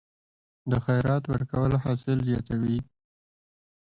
د خیرات ورکول حاصل زیاتوي؟